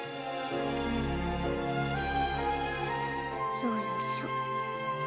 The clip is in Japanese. よいしょ。